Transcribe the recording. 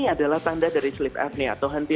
adalah tanda dari sleep apnea atau henti